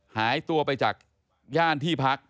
หายตัวไปจากย่านที่พัก